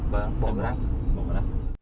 vâng bỏ taxi